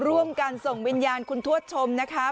ร่วมกันส่งวิญญาณคุณทวดชมนะคะ